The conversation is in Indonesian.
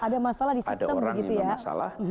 ada orang yang ada masalah